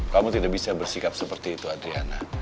kamu tidak bisa bersikap seperti itu adriana